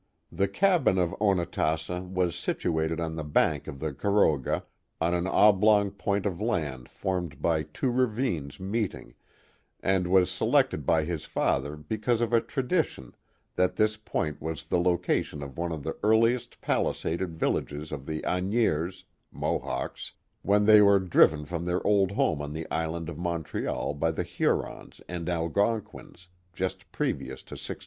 The cabin of Onatassa was situated on the bank of the Garoga, on an oblong point of land formed by two ravines meeting, and was selected by his father because of a tradition that this point was the location of one of the earliest palisaded villages of the Agniers (Mohawks) when they were driven from their old home on the island of Montreal by the Hurons and Algonquins, just previous to 1600.